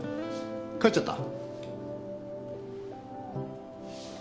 帰っちゃった？